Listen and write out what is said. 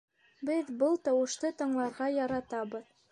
Беҙ был тауышты тыңларға яратабыҙ.